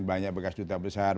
banyak bekas duta besar